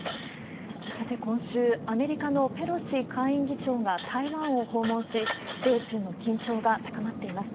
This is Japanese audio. さて、今週、アメリカのペロシ下院議長が台湾を訪問し、米中の緊張が高まっています。